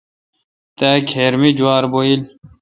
تا کھیر می جوار بھویل۔